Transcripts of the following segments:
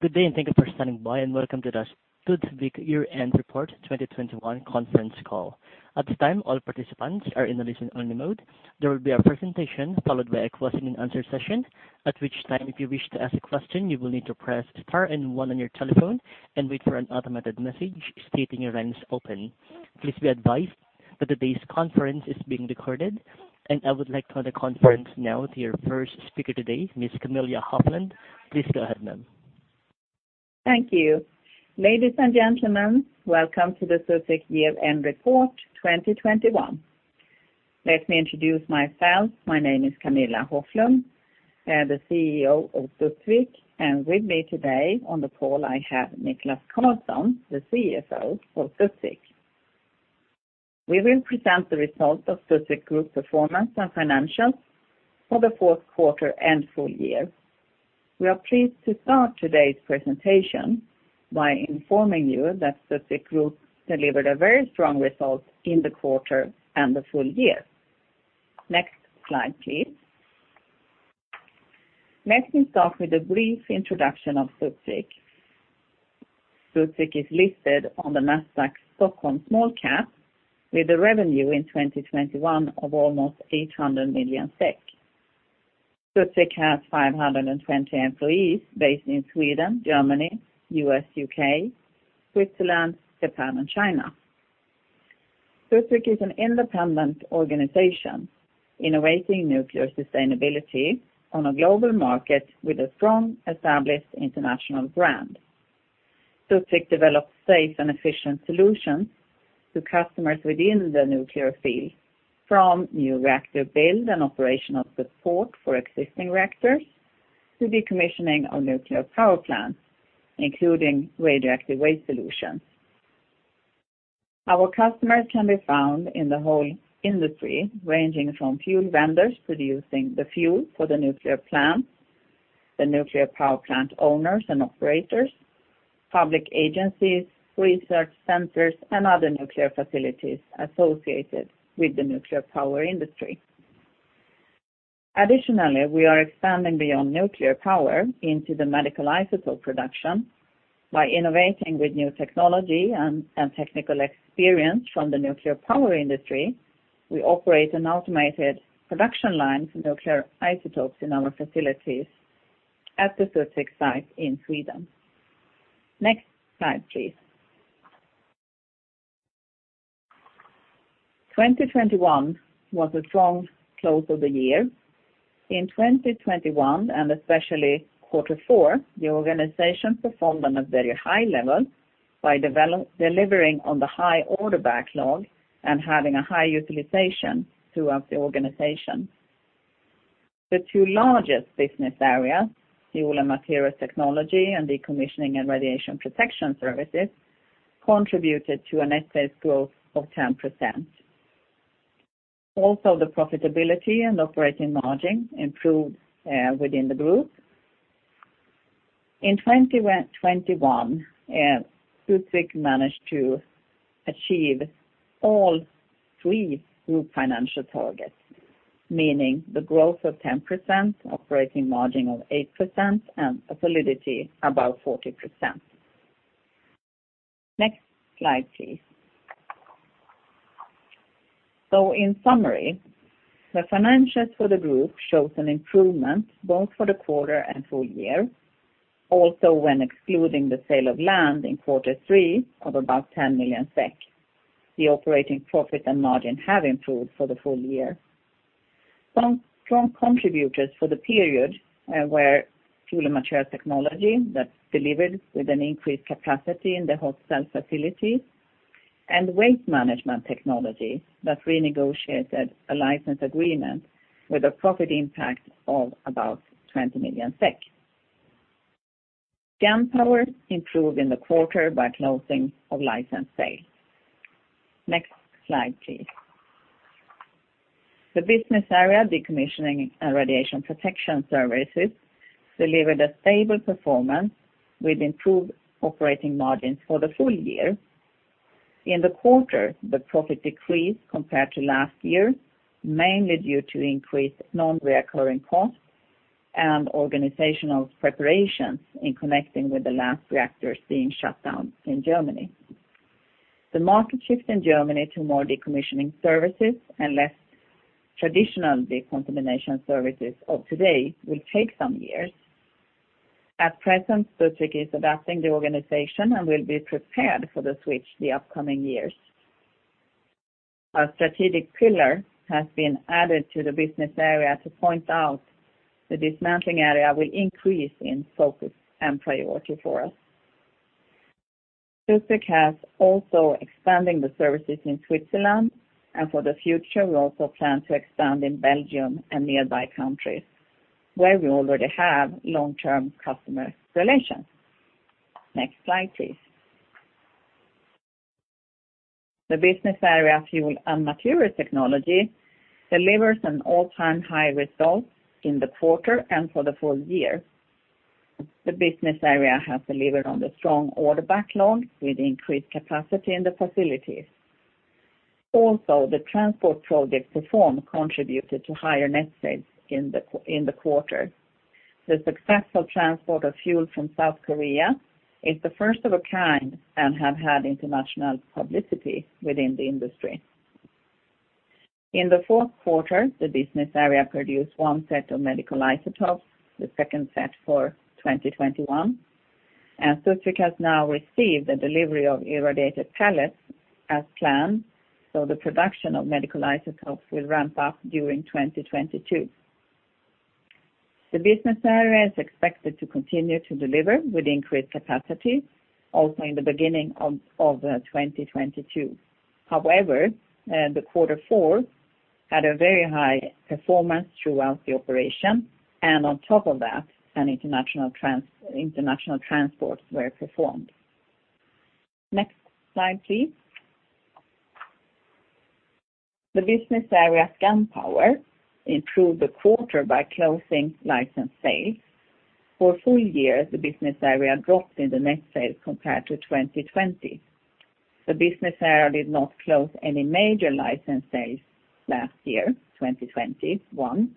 Good day, and thank you for standing by, and welcome to the Studsvik Year-End Report 2021 conference call. At this time, all participants are in a listen-only mode. There will be a presentation followed by a question and answer session. At which time, if you wish to ask a question, you will need to press star and one on your telephone and wait for an automated message stating your line is open. Please be advised that today's conference is being recorded, and I would like to hand the conference now to your first speaker today, Ms. Camilla Hoflund. Please go ahead, ma'am. Thank you. Ladies and gentlemen, welcome to the Studsvik Year-End Report 2021. Let me introduce myself. My name is Camilla Hoflund. I am the CEO of Studsvik, and with me today on the call, I have Niklas Karlsson, the CFO for Studsvik. We will present the results of Studsvik Group performance and financials for the fourth quarter and full year. We are pleased to start today's presentation by informing you that Studsvik Group delivered a very strong result in the quarter and the full year. Next slide, please. Let me start with a brief introduction of Studsvik. Studsvik is listed on the Nasdaq Stockholm Small Cap with a revenue in 2021 of almost 800 million SEK. Studsvik has 520 employees based in Sweden, Germany, U.S., U.K., Switzerland, Japan, and China. Studsvik is an independent organization innovating nuclear sustainability on a global market with a strong established international brand. Studsvik develops safe and efficient solutions to customers within the nuclear field, from new reactor build and operational support for existing reactors to decommissioning of nuclear power plants, including radioactive waste solutions. Our customers can be found in the whole industry, ranging from fuel vendors producing the fuel for the nuclear plant, the nuclear power plant owners and operators, public agencies, research centers, and other nuclear facilities associated with the nuclear power industry. Additionally, we are expanding beyond nuclear power into the medical isotope production by innovating with new technology and technical experience from the nuclear power industry. We operate an automated production line for nuclear isotopes in our facilities at the Studsvik site in Sweden. Next slide, please. 2021 was a strong close of the year. In 2021, and especially quarter four, the organization performed on a very high level by delivering on the high order backlog and having a high utilization throughout the organization. The two largest business areas, Fuel and Materials Technology and Decommissioning and Radiation Protection Services, contributed to a net sales growth of 10%. The profitability and operating margin improved within the group. In 2021, Studsvik managed to achieve all three group financial targets, meaning the growth of 10%, operating margin of 8%, and a solidity above 40%. Next slide, please. In summary, the financials for the group shows an improvement both for the quarter and full year. Also, when excluding the sale of land in quarter three of about 10 million SEK, the operating profit and margin have improved for the full year. Some strong contributors for the period were Fuel and Materials Technology that delivered with an increased capacity in the hot cell facility and Waste Management Technology that renegotiated a license agreement with a profit impact of about 20 million SEK. Scandpower improved in the quarter by closing of license sale. Next slide, please. The business area Decommissioning and Radiation Protection Services delivered a stable performance with improved operating margins for the full year. In the quarter, the profit decreased compared to last year, mainly due to increased non-recurring costs and organizational preparations in connection with the last reactors being shut down in Germany. The market shift in Germany to more decommissioning services and less traditional decontamination services of today will take some years. At present, Studsvik is adapting the organization and will be prepared for the switch in the upcoming years. A strategic pillar has been added to the business area to point out the dismantling area will increase in focus and priority for us. Studsvik has also expanded the services in Switzerland, and for the future, we also plan to expand in Belgium and nearby countries, where we already have long-term customer relations. Next slide, please. The business area, Fuel and Materials Technology, delivers an all-time high result in the quarter and for the full year. The business area has delivered on the strong order backlog with increased capacity in the facilities. The transport project performance contributed to higher net sales in the quarter. The successful transport of fuel from South Korea is the first of a kind and has had international publicity within the industry. In the fourth quarter, the business area produced one set of medical isotopes, the second set for 2021, and Sutro has now received the delivery of irradiated pellets as planned, so the production of medical isotopes will ramp up during 2022. The business area is expected to continue to deliver with increased capacity also in the beginning of 2022. However, the quarter four had a very high performance throughout the operation and on top of that, international transports were performed. Next slide, please. The business area Scandpower improved the quarter by closing license sales. For a full year, the business area dropped in the net sales compared to 2020. The business area did not close any major license sales last year, 2021,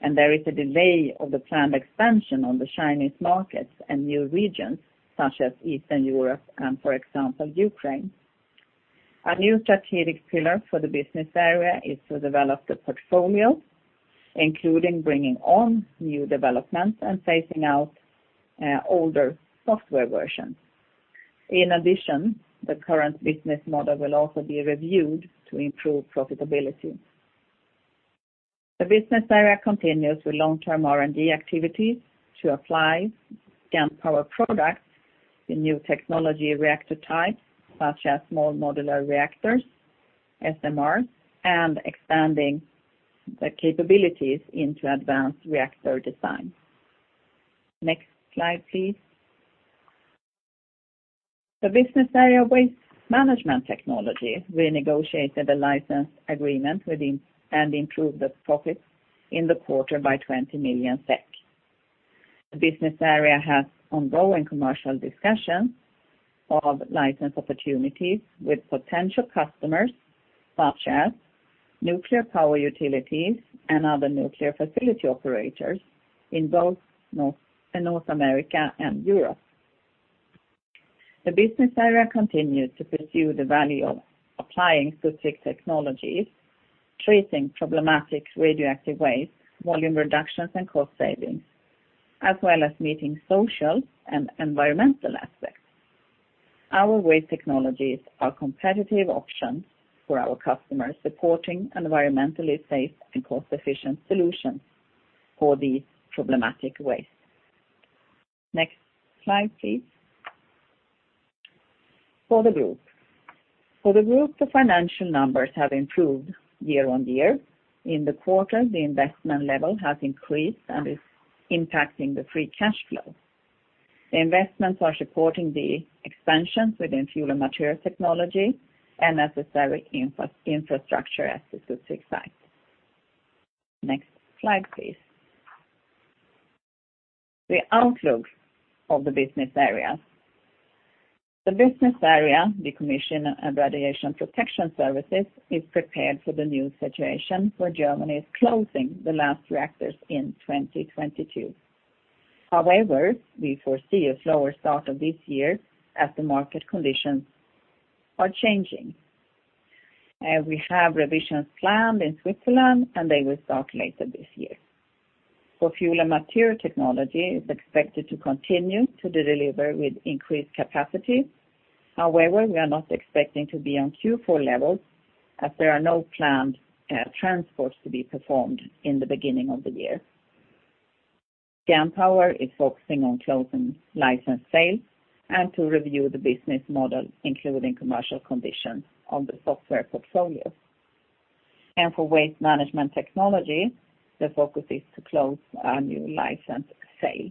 and there is a delay of the planned expansion on the Chinese markets and new regions such as Eastern Europe and, for example, Ukraine. A new strategic pillar for the business area is to develop the portfolio, including bringing on new developments and phasing out older software versions. In addition, the current business model will also be reviewed to improve profitability. The business area continues with long-term R&D activities to apply Scandpower products in new technology reactor types, such as small modular reactors, SMRs, and expanding the capabilities into advanced reactor design. Next slide, please. The business area Waste Management Technology renegotiated a license agreement and improved the profits in the quarter by 20 million SEK. The business area has ongoing commercial discussions of license opportunities with potential customers such as nuclear power utilities and other nuclear facility operators in both North America and Europe. The business area continues to pursue the value of applying Studsvik technologies, treating problematic radioactive waste, volume reductions and cost savings, as well as meeting social and environmental aspects. Our waste technologies are competitive options for our customers, supporting environmentally safe and cost-efficient solutions for these problematic wastes. Next slide, please. For the group, the financial numbers have improved year-on-year. In the quarter, the investment level has increased and is impacting the free cash flow. The investments are supporting the expansions within Fuel and Materials Technology and necessary infrastructure at the Studsvik site. Next slide, please. The outlook of the business areas. The business area, Decommissioning and Radiation Protection Services, is prepared for the new situation where Germany is closing the last reactors in 2022. However, we foresee a slower start of this year as the market conditions are changing. We have revisions planned in Switzerland, and they will start later this year. For Fuel and Materials Technology, it's expected to continue to deliver with increased capacity. However, we are not expecting to be on Q4 levels as there are no planned transports to be performed in the beginning of the year. Scandpower is focusing on closing license sales and to review the business model, including commercial conditions of the software portfolio. For Waste Management Technology, the focus is to close a new license sale.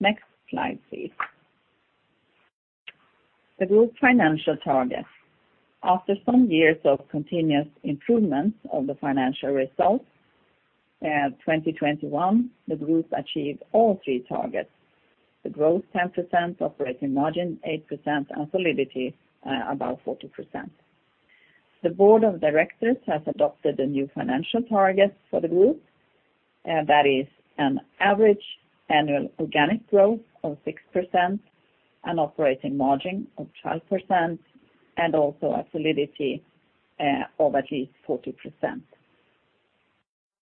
Next slide, please. The group financial targets. After some years of continuous improvements of the financial results, 2021, the group achieved all three targets. The growth, 10%, operating margin, 8%, and solidity, above 40%. The board of directors has adopted a new financial target for the group, that is an average annual organic growth of 6%, an operating margin of 12%, and also a solidity, of at least 40%.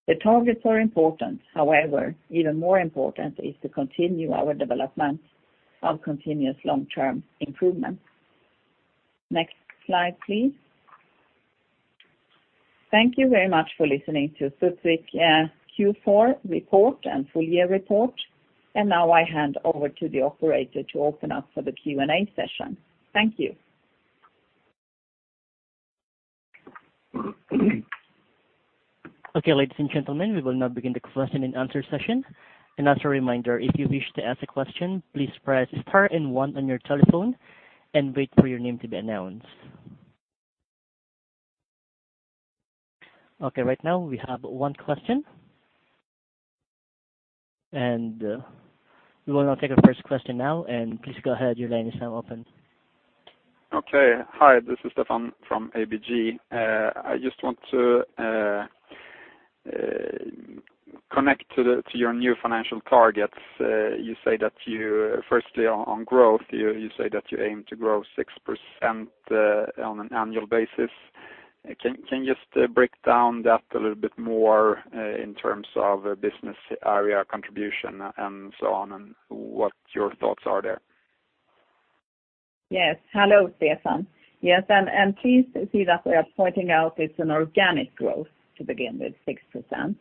The targets are important. However, even more important is to continue our development of continuous long-term improvement. Next slide, please. Thank you very much for listening to Studsvik Q4 report and full-year report. Now I hand over to the operator to open up for the Q&A session. Thank you. Okay, ladies and gentlemen, we will now begin the question and answer session. As a reminder, if you wish to ask a question, please press star and one on your telephone and wait for your name to be announced. Okay, right now we have one question. We will now take our first question now, and please go ahead. Your line is now open. Hi, this is Stefan from ABG. I just want to connect to your new financial targets. You say that you—firstly, on growth, you say that you aim to grow 6% on an annual basis. Can you just break down that a little bit more in terms of business area contribution and so on and what your thoughts are there? Yes. Hello, Stefan. Yes, and please see that we are pointing out it's an organic growth to begin with 6%.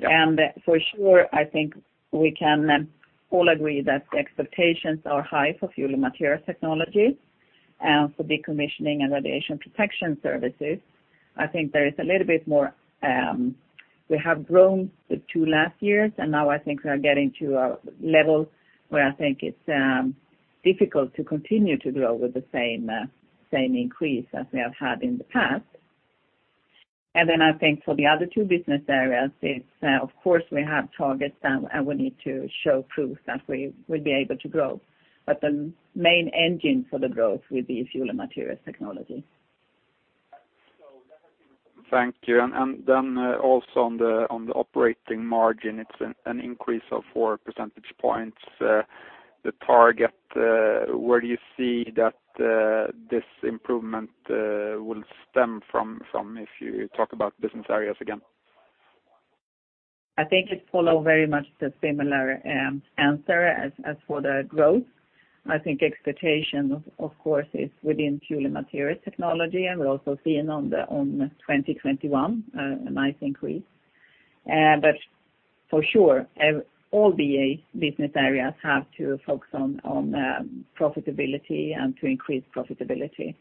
Yeah. For sure, I think we can all agree that the expectations are high for Fuel and Materials Technology and for Decommissioning and Radiation Protection Services. I think there is a little bit more. We have grown the two last years, and now I think we are getting to a level where I think it's difficult to continue to grow with the same increase as we have had in the past. I think for the other two business areas, it's of course we have targets, and we need to show proof that we will be able to grow. The main engine for the growth will be Fuel and Materials Technology. Thank you. Also on the operating margin, it's an increase of 4 percentage points. The target, where do you see that this improvement will stem from if you talk about business areas again? I think it follow very much the similar answer as for the growth. I think expectation of course is within Fuel and Materials Technology, and we're also seeing in 2021 a nice increase. For sure, all the business areas have to focus on profitability and to increase profitability.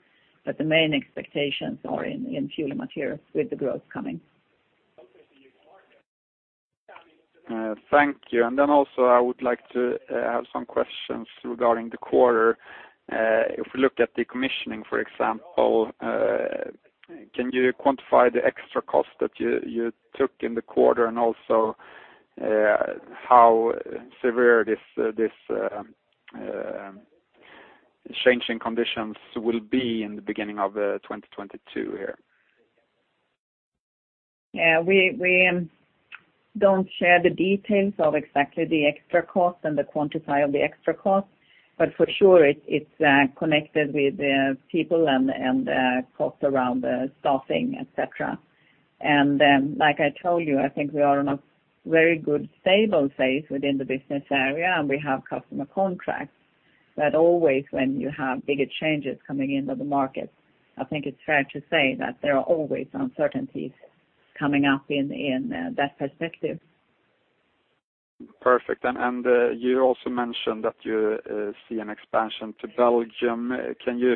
The main expectations are in Fuel and Materials with the growth coming. Thank you. I would like to have some questions regarding the quarter. If we look at decommissioning, for example, can you quantify the extra cost that you took in the quarter and also, how severe this change in conditions will be in the beginning of 2022 here? Yeah. We don't share the details of exactly the extra cost and the quantity of the extra cost, but for sure it's connected with people and cost around staffing, et cetera. Like I told you, I think we are in a very good, stable phase within the business area, and we have customer contracts. Always when you have bigger changes coming into the market, I think it's fair to say that there are always uncertainties coming up in that perspective. Perfect. You also mentioned that you see an expansion to Belgium. Can you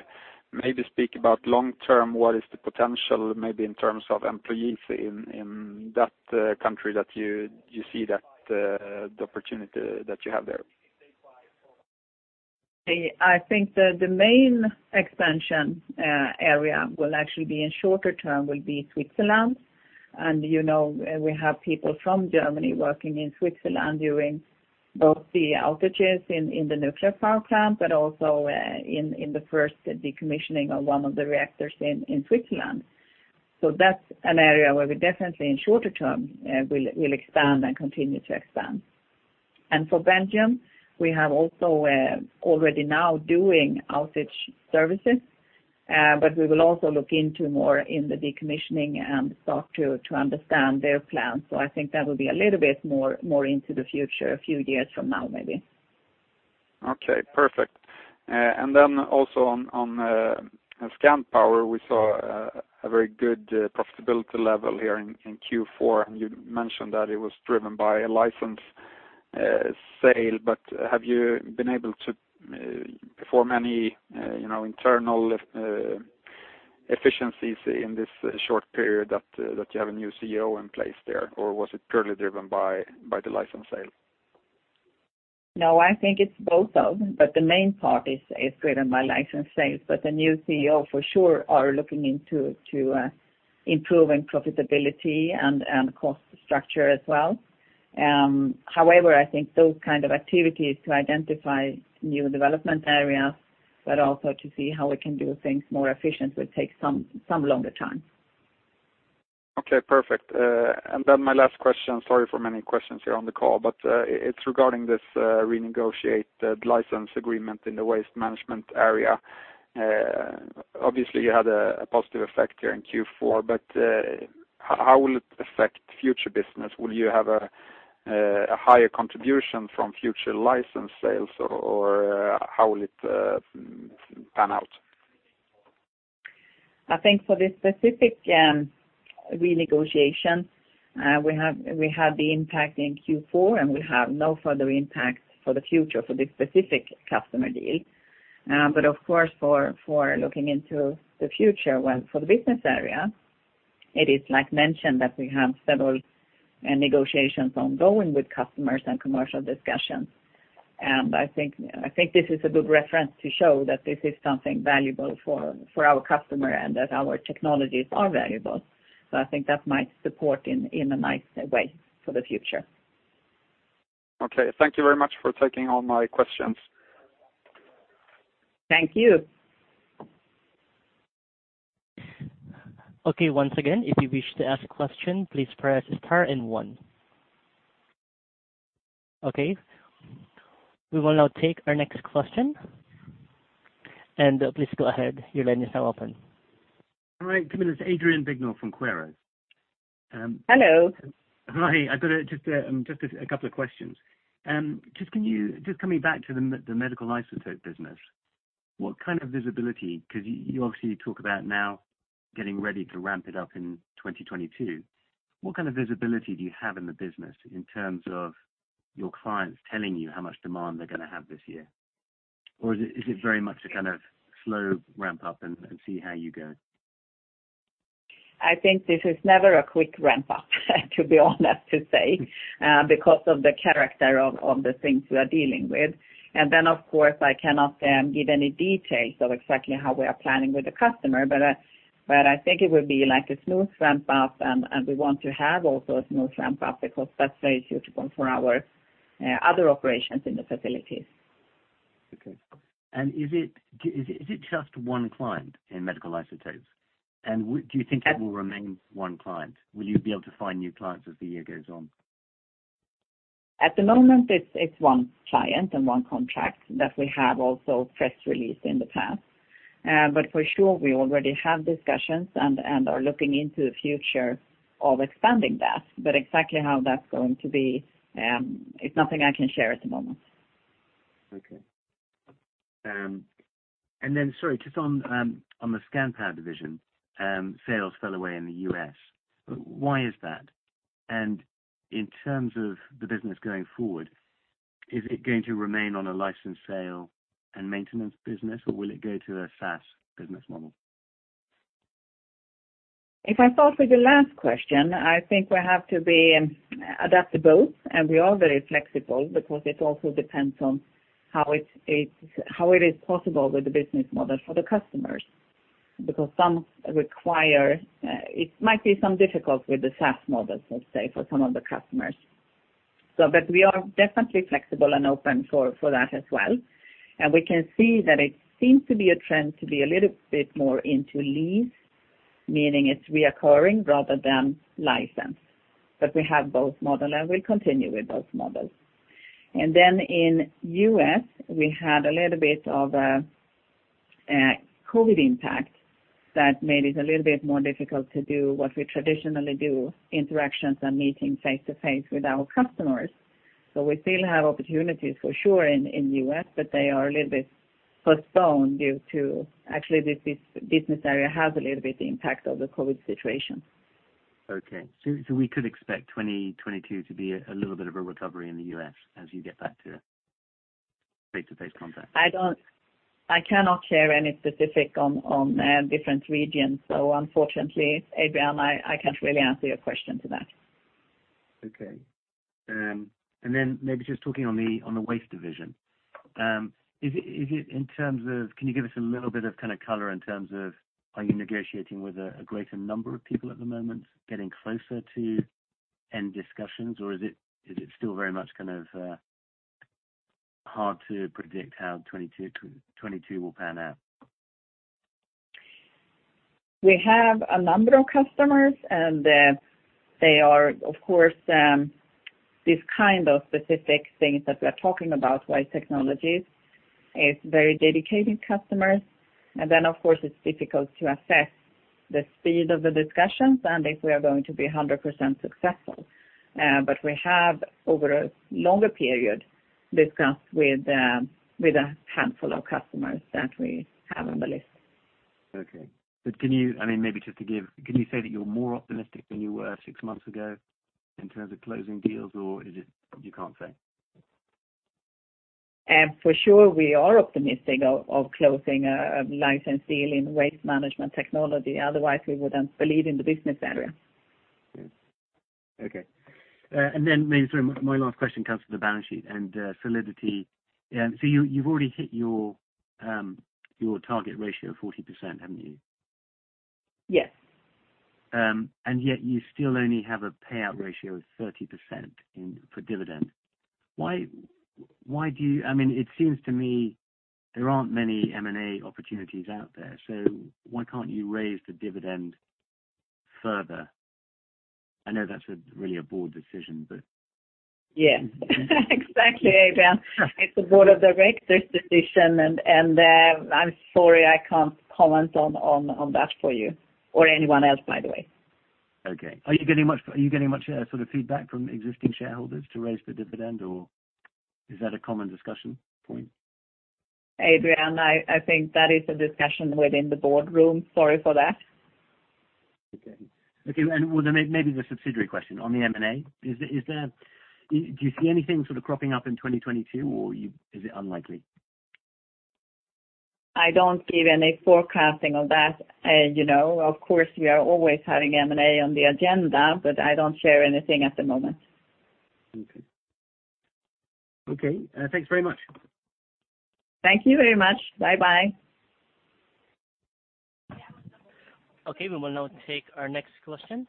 maybe speak about long term, what is the potential maybe in terms of employees in that country that you see that the opportunity that you have there? I think the main expansion area will actually be in shorter term will be Switzerland. You know, we have people from Germany working in Switzerland during both the outages in the nuclear power plant, but also in the first decommissioning of one of the reactors in Switzerland. That's an area where we definitely in shorter term will expand and continue to expand. For Belgium, we have also already now doing outage services, but we will also look into more in the decommissioning and start to understand their plans. I think that will be a little bit more into the future, a few years from now, maybe. Okay, perfect. And then also on Scandpower, we saw a very good profitability level here in Q4, and you mentioned that it was driven by a license sale. But have you been able to perform any, you know, internal efficiencies in this short period that you have a new CEO in place there? Or was it purely driven by the license sale? No, I think it's both, but the main part is driven by license sales. The new CEO for sure are looking into to improving profitability and cost structure as well. However, I think those kind of activities to identify new development areas, but also to see how we can do things more efficient, will take some longer time. Okay, perfect. My last question, sorry for many questions here on the call, but it's regarding this renegotiated license agreement in the waste management area. Obviously, you had a positive effect here in Q4, but how will it affect future business? Will you have a higher contribution from future license sales, or how will it pan out? I think for this specific renegotiation we had the impact in Q4, and we have no further impact for the future for this specific customer deal. Of course, for looking into the future for the business area, it is like mentioned that we have several negotiations ongoing with customers and commercial discussions. I think this is a good reference to show that this is something valuable for our customer and that our technologies are valuable. I think that might support in a nice way for the future. Okay. Thank you very much for taking all my questions. Thank you. Okay. Once again, if you wish to ask a question, please press star and one. Okay. We will now take our next question. And, uh, please go ahead. Your line is now open. All right. Camilla, it's Adrian Bignell from Quaero. Hello. Hi. I've got just a couple of questions. Just coming back to the medical isotope business, what kind of visibility—'cause you obviously talk about now getting ready to ramp it up in 2022. What kind of visibility do you have in the business in terms of your clients telling you how much demand they're gonna have this year? Or is it very much a kind of slow ramp up and see how you go? I think this is never a quick ramp up, to be honest to say, because of the character of the things we are dealing with. Then, of course, I cannot give any details of exactly how we are planning with the customer. I think it would be like a smooth ramp up, and we want to have also a smooth ramp up because that's very suitable for our other operations in the facilities. Okay. Is it just one client in medical isotopes? What do you think- At- Will it remain one client? Will you be able to find new clients as the year goes on? At the moment, it's one client and one contract that we have also press released in the past. For sure, we already have discussions and are looking into the future of expanding that. Exactly how that's going to be, it's nothing I can share at the moment. Okay. Sorry, just on the Scandpower division, sales fell away in the U.S. Why is that? In terms of the business going forward, is it going to remain on a license sale and maintenance business, or will it go to a SaaS business model? If I start with the last question, I think we have to be adaptable, and we are very flexible because it also depends on how it is possible with the business model for the customers. Because some require it might be some difficult with the SaaS model, let's say, for some of the customers. But we are definitely flexible and open for that as well. We can see that it seems to be a trend to be a little bit more into lease, meaning it's reoccurring rather than license. We have both model, and we continue with both models. Then in U.S., we had a little bit of a COVID impact that made it a little bit more difficult to do what we traditionally do, interactions and meeting face-to-face with our customers. We still have opportunities for sure in U.S., but they are a little bit postponed due to. Actually, this business area has a little bit impact of the COVID situation. We could expect 2022 to be a little bit of a recovery in the U.S. as you get back to face-to-face contact? I cannot share any specifics on different regions. Unfortunately, Adrian, I can't really answer your question to that. Okay. Maybe just talking on the waste division. Is it in terms of can you give us a little bit of kinda color in terms of are you negotiating with a greater number of people at the moment, getting closer to end discussions? Or is it still very much kind of hard to predict how 2022 will pan out? We have a number of customers, and they are, of course, these kind of specific things that we're talking about, waste technologies, are very dedicated customers. Of course, it's difficult to assess the speed of the discussions and if we are going to be 100% successful. We have, over a longer period, discussed with a handful of customers that we have on the list. Okay. I mean, maybe just to give, can you say that you're more optimistic than you were six months ago in terms of closing deals, or is it you can't say? For sure, we are optimistic of closing a license deal in Waste Management Technology. Otherwise, we wouldn't believe in the business area. Yeah. Okay. Maybe, sorry, my last question comes to the balance sheet and solidity. You’ve already hit your target ratio of 40%, haven’t you? Yes. Yet you still only have a payout ratio of 30% for dividend. Why do you, I mean, it seems to me there aren't many M&A opportunities out there, so why can't you raise the dividend further? I know that's really a board decision, but. Yeah. Exactly, Adrian. It's a board of directors decision, and I'm sorry, I can't comment on that for you or anyone else, by the way. Okay. Are you getting much sort of feedback from existing shareholders to raise the dividend or is that a common discussion point? Adrian, I think that is a discussion within the boardroom. Sorry for that. Well, then maybe the subsidiary question on the M&A. Do you see anything sort of cropping up in 2022 or is it unlikely? I don't give any forecasting on that. You know, of course, we are always having M&A on the agenda, but I don't share anything at the moment. Okay. Okay, thanks very much. Thank you very much. Bye-bye. Okay. We will now take our next question.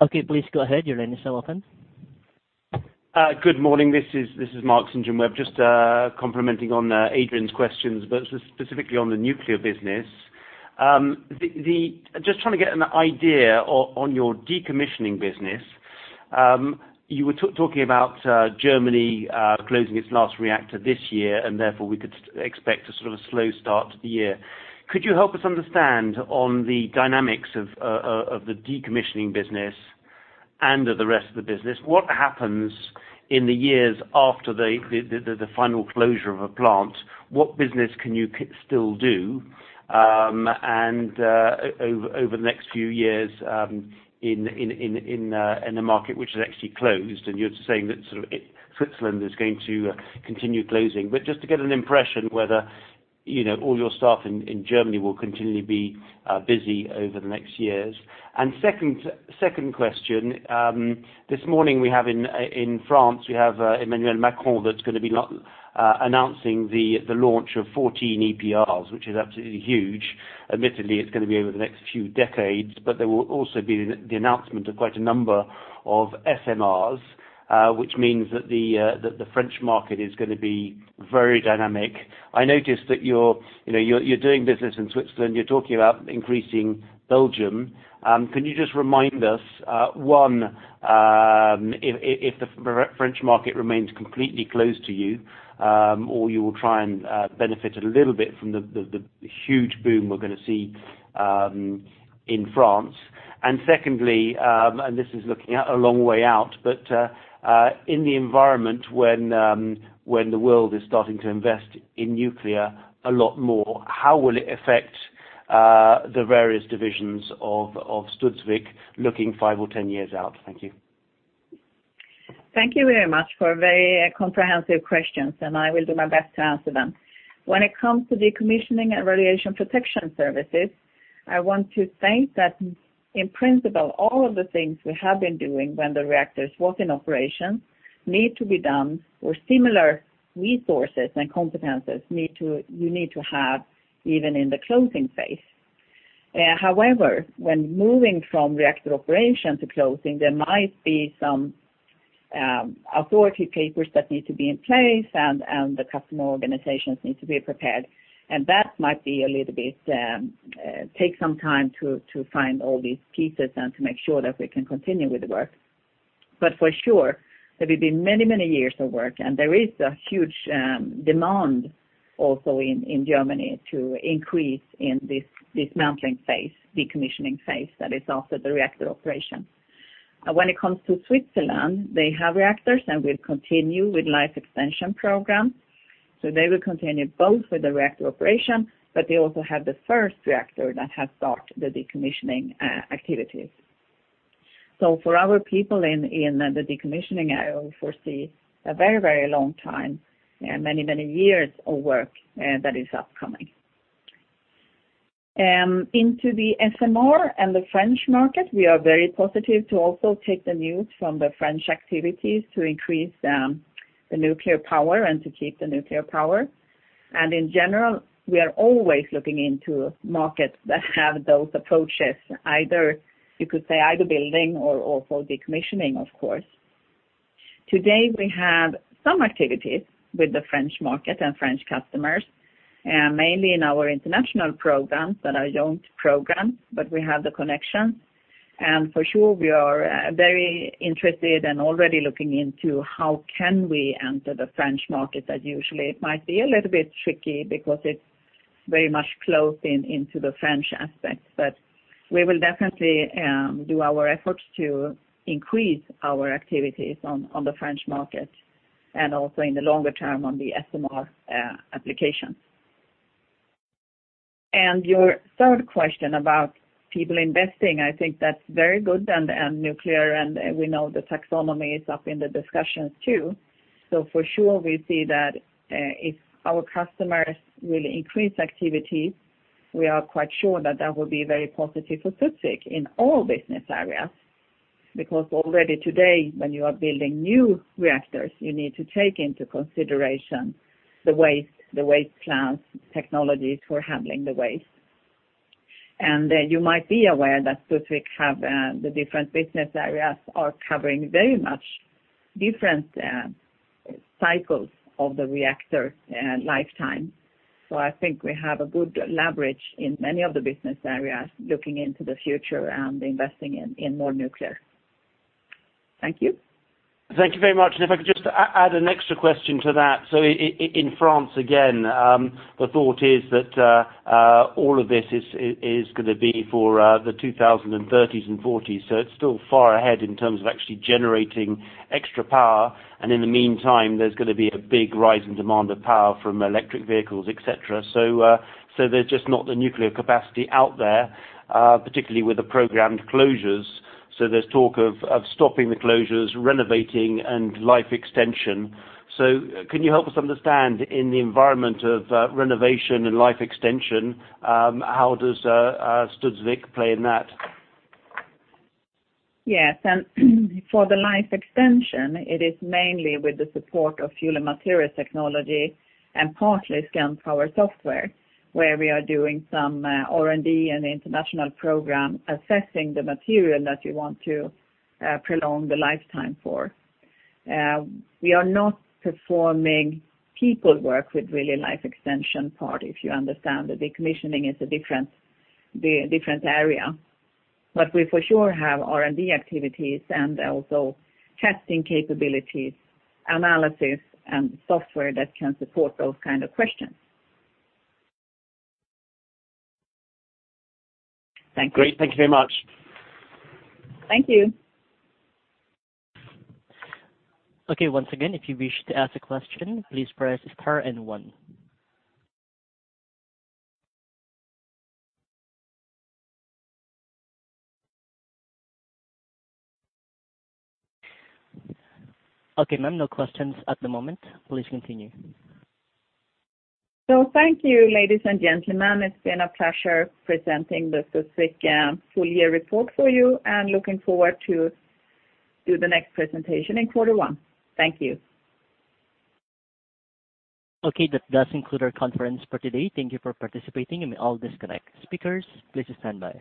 Okay, please go ahead. Your line is now open. Good morning. This is Marc St. John Webb just commenting on Adrian's questions, but specifically on the nuclear business. Just trying to get an idea on your decommissioning business. You were talking about Germany closing its last reactor this year, and therefore, we could expect a sort of a slow start to the year. Could you help us understand the dynamics of the decommissioning business and of the rest of the business? What happens in the years after the final closure of a plant? What business can you still do, and over the next few years in the market, which is actually closed, and you're saying that sort of Switzerland is going to continue closing. Just to get an impression whether, you know, all your staff in Germany will continually be busy over the next years. Second question, this morning, we have in France, we have Emmanuel Macron that's gonna be announcing the launch of 14 EPRs, which is absolutely huge. Admittedly, it's gonna be over the next few decades, but there will also be the announcement of quite a number of SMRs, which means that the French market is gonna be very dynamic. I noticed that you're doing business in Switzerland, you're talking about increasing Belgium. Can you just remind us, one, if the French market remains completely closed to you, or you will try and benefit a little bit from the huge boom we're gonna see in France. Secondly, and this is looking out a long way out, but, in the environment when the world is starting to invest in nuclear a lot more, how will it affect the various divisions of Studsvik looking five or 10 years out? Thank you. Thank you very much for very comprehensive questions, and I will do my best to answer them. When it comes to Decommissioning and Radiation Protection Services, I want to think that in principle, all of the things we have been doing when the reactors was in operation need to be done or similar resources and competences you need to have even in the closing phase. However, when moving from reactor operation to closing, there might be some authority papers that need to be in place and the customer organizations need to be prepared. That might be a little bit take some time to find all these pieces and to make sure that we can continue with the work. For sure, there will be many, many years of work, and there is a huge demand also in Germany to increase in this dismantling phase, decommissioning phase that is after the reactor operation. When it comes to Switzerland, they have reactors, and we'll continue with life extension program. They will continue both with the reactor operation, but they also have the first reactor that has started the decommissioning activities. For our people in the decommissioning, I will foresee a very, very long time and many, many years of work that is upcoming. Into the SMR and the French market, we are very positive to also take the news from the French activities to increase the nuclear power and to keep the nuclear power. In general, we are always looking into markets that have those approaches, either building or decommissioning, of course. Today, we have some activities with the French market and French customers, mainly in our international programs that are joint program, but we have the connection. For sure, we are very interested and already looking into how can we enter the French market as usually it might be a little bit tricky because it's very much closed into the French aspects. But we will definitely do our efforts to increase our activities on the French market and also in the longer term on the SMR application. Your third question about people investing, I think that's very good and nuclear and we know the taxonomy is up in the discussions, too. For sure, we see that if our customers will increase activity, we are quite sure that that will be very positive for Studsvik in all business areas. Because already today, when you are building new reactors, you need to take into consideration the waste, the waste plants, technologies for handling the waste. You might be aware that Studsvik have the different business areas are covering very much different cycles of the reactor lifetime. I think we have a good leverage in many of the business areas looking into the future and investing in more nuclear. Thank you. Thank you very much. If I could just add an extra question to that. In France, again, the thought is that all of this is gonna be for the 2030s and 2040s. It's still far ahead in terms of actually generating extra power. In the meantime, there's gonna be a big rise in demand of power from electric vehicles, et cetera. There's just not the nuclear capacity out there, particularly with the programmed closures. There's talk of stopping the closures, renovating and life extension. Can you help us understand in the environment of renovation and life extension how does Studsvik play in that? Yes. For the life extension, it is mainly with the support of Fuel and Materials Technology and partly Scandpower software, where we are doing some R&D and international program assessing the material that you want to prolong the lifetime for. We are not performing people work with really life extension part, if you understand. The decommissioning is a different area. We for sure have R&D activities and also testing capabilities, analysis, and software that can support those kind of questions. Thank you. Great. Thank you very much. Thank you. Okay. Once again, if you wish to ask a question, please press star and one. Okay, ma'am, no questions at the moment. Please continue. Thank you, ladies and gentlemen. It's been a pleasure presenting the Studsvik full year report for you, and looking forward to do the next presentation in quarter one. Thank you. Okay. That does conclude our conference for today. Thank you for participating. You may all disconnect. Speakers, please stand by.